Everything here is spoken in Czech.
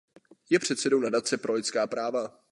Je předsedou Nadace pro lidská práva.